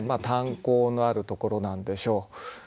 炭鉱のあるところなんでしょう。